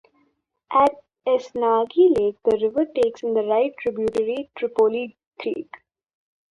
At Esnagi Lake, the river takes in the right tributary Tripoli Creek.